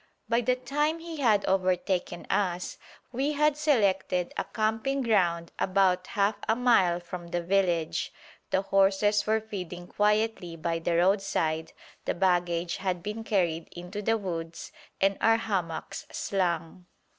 By the time he had overtaken us we had selected a camping ground about half a mile from the village, the horses were feeding quietly by the roadside, the baggage had been carried into the woods and our hammocks slung.